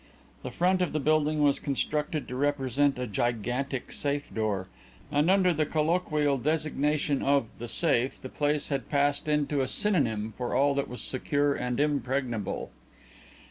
The front of the building was constructed to represent a gigantic safe door, and under the colloquial designation of "The Safe" the place had passed into a synonym for all that was secure and impregnable.